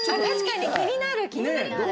気になります